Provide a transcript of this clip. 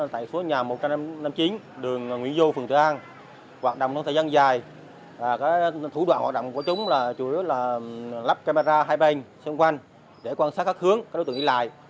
thủ đoạn hoạt động của chúng là chủ yếu là lắp camera hai bên xung quanh để quan sát các hướng các đối tượng đi lại